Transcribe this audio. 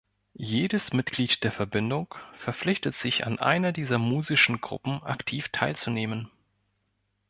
Jedes Mitglied der Verbindung verpflichtet sich an einer dieser musischen Gruppen aktiv teilzunehmen.